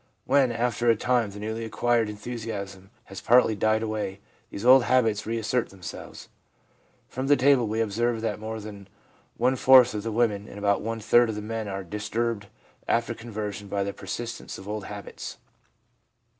When, after a time, the newly acquired enthusiasm has partly died away, these old habits re assert themselves. From the table we observe that more than one fourth of the women and about one third of the men are disturbed after conversion by the persistence of old habits.